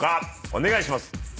お願いします。